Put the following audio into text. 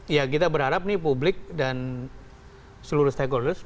ya kita berharap nih publik dan seluruh staf indonesia